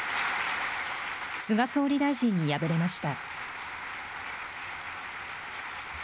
菅総理大臣に敗れました。